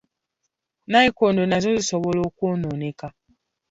Nayikondo nazo zisobola okwonooneka.